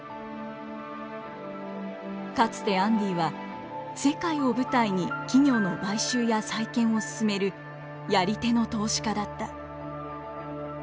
かつてアンディは世界を舞台に企業の買収や再建を進めるやり手の投資家だった。